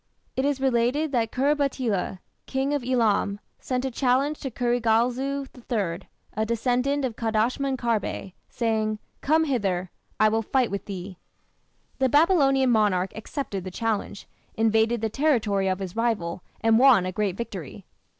It is related that Khur batila, King of Elam, sent a challenge to Kurigalzu III, a descendant of Kadashman Kharbe, saying: "Come hither; I will fight with thee". The Babylonian monarch accepted the challenge, invaded the territory of his rival, and won a great victory.